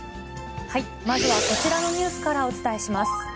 まずはこちらのニュースからお伝えします。